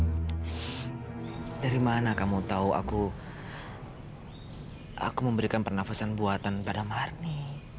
terus dari mana kamu tahu aku memberikan pernafasan buatan pada marni